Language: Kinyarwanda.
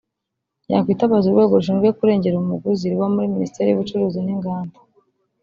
yakwitabaza urwego rushinzwe kurengera umuguzi ruba muri Minisiteri y’Ubucuruzi n’Inganda